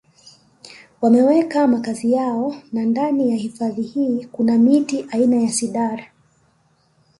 Wameweka makazi yao na ndani ya hifadhi hii kuna miti aina ya Cidar